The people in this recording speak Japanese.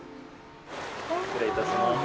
失礼いたします。